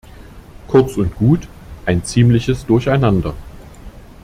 Kurz und gut, ein ziemliches Durcheinander.